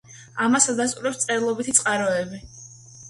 ამას ადასტურებს წერილობითი წყაროები.